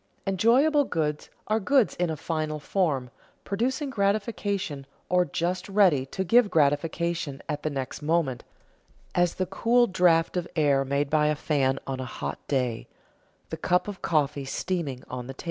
_ Enjoyable goods are goods in a final form, producing gratification or just ready to give gratification the next moment, as the cool draft of air made by a fan on a hot day, the cup of coffee steaming on the table.